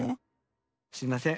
すいません。